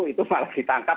itu malah ditangkap